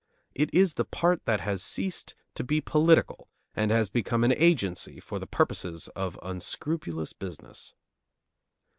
It is the part that has ceased to be political and has become an agency for the purposes of unscrupulous business.